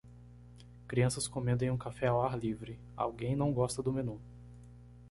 Crianças comendo em um café ao ar livre alguém não gosta do menu.